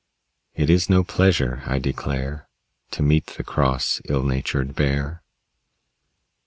It is no pleasure, I declare, To meet the cross, ill natured Bear.